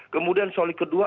kemudian soli kedua